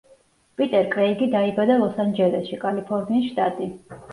პიტერ კრეიგი დაიბადა ლოს-ანჯელესში, კალიფორნიის შტატი.